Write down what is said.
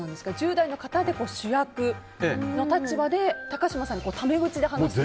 １０代の方で主役の立場で高嶋さんにタメ口で話す。